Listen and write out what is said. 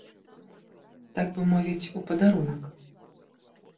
Так бы мовіць, у падарунак.